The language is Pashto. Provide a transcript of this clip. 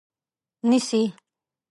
نیسي